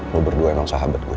lo berdua emang sahabat gue